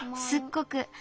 すっごく。